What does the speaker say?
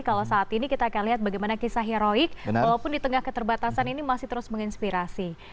kalau saat ini kita akan lihat bagaimana kisah heroik walaupun di tengah keterbatasan ini masih terus menginspirasi